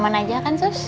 aman aman aja kan sus